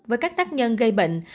với các tác nhân gây bệnh